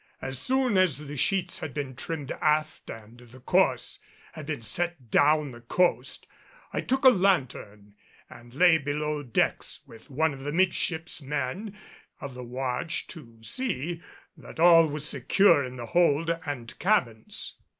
As soon as the sheets had been trimmed aft and the course had been set down the coast, I took a lanthorn and lay below decks with one of the midship's men of the watch to see that all was secure in the hold and cabins.